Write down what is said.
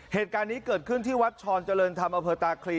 เหตุการณ์นี้เกิดขึ้นที่วัดชรเจริญธรรมอำเภอตาคลี